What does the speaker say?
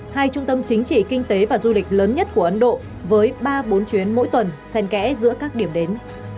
hai trung tâm chính trị kinh tế và du lịch lớn nhất của ấn độ với ba bốn chuyến mỗi tuần sen kẽ giữa các điểm đến